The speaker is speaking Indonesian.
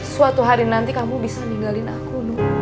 suatu hari nanti kamu bisa ninggalin aku